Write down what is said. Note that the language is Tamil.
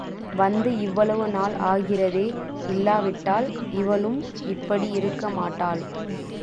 வந்து இவ்வளவு நாள் ஆகிறதே இல்லாவிட்டால் இவளும் இப்படி இருக்கமாட்டாள்.